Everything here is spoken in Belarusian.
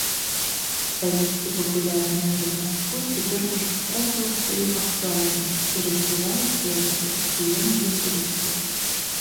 Калісьці папулярнае рамяство цяпер ужо страціла сваю актуальнасць і развіваецца як атракцыён для турыстаў.